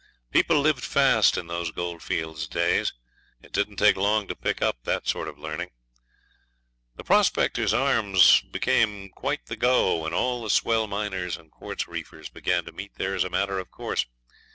People lived fast in those goldfields days; it don't take long to pick up that sort of learning. The Prospectors' Arms became quite the go, and all the swell miners and quartz reefers began to meet there as a matter of course.